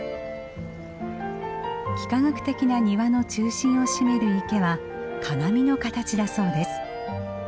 幾何学的な庭の中心を占める池は鏡の形だそうです。